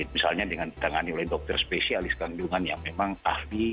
misalnya dengan ditangani oleh dokter spesialis kandungan yang memang ahli